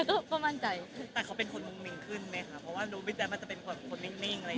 แต่เขาเป็นคนมุ่งมิ่งขึ้นไหมคะเพราะว่าดูวิทยาลัยมันจะเป็นคนมิ่งอะไรอย่างนี้